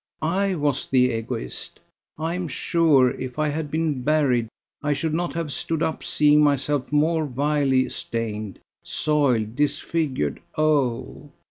I was the Egoist. I am sure, if I had been buried, I should not have stood up seeing myself more vilely stained, soiled, disfigured oh!